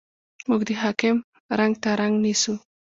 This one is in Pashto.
موږ د حاکم رنګ ته رنګ نیسو.